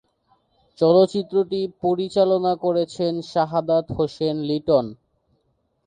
চলচ্চিত্রটি পরিচালনা করেছেন শাহাদাত হোসেন লিটন।